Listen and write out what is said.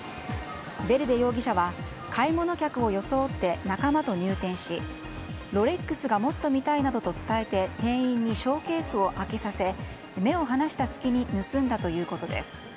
ヴェルデ容疑者は買い物客を装って仲間と入店しロレックスがもっと見たいなどと伝えて店員にショーケースを開けさせ目を離した隙に盗んだということです。